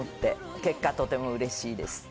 結果、とてもうれしいです。